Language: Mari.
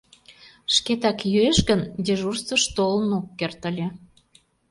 Шкетак йӱэш гын, дежурствыш толын ок керт ыле.